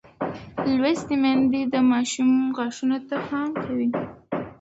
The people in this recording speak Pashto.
لوستې میندې د ماشوم غاښونو ته پام کوي.